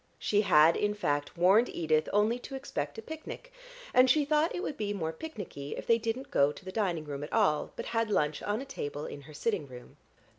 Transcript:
She had, in fact, warned Edith only to expect a picnic, and she thought it would be more picnicky if they didn't go to the dining room at all, but had lunch on a table in her sitting room.